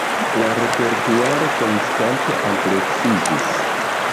La repertuaro konstante ampleksiĝis.